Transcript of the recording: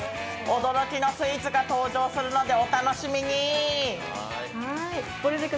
驚きのスイーツが登場するのでお楽しみに。